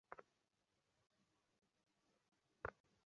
তিন বছর বয়সী নাতিটা এখন ছাগলছানার পিঠে গিয়ে চড়ার কসরত করছে।